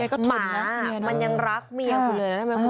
แกก็ถุดรักเมียนะหมามันยังรักเมียคุณเลยนะ